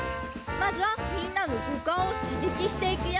まずはみんなのごかんをしげきしていくよ！